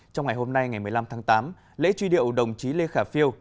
trong ngày hôm nay ngày một mươi năm tháng tám lễ truy điệu đồng chí lê khả phiêu